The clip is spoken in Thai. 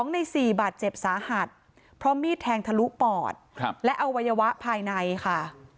ใน๔บาดเจ็บสาหัสเพราะมีดแทงทะลุปอดและอวัยวะภายในค่ะ